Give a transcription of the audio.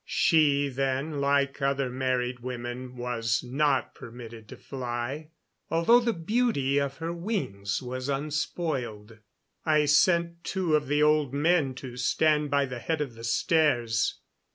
She, then, like other married women, was not permitted to fly, although the beauty of her wings was unspoiled. I sent two of the old men to stand by the head of the stairs.